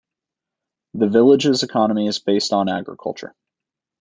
The village's economy is based on agriculture.